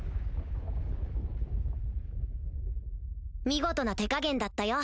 見事な手加減だったよ。